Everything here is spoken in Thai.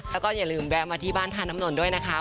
แล้วก็อย่าลืมแวะมาที่บ้านท่าน้ำนนท์ด้วยนะคะ